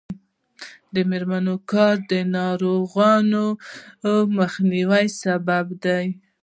د میرمنو کار د ناروغیو مخنیوي سبب دی.